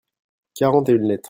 quarante et une lettres.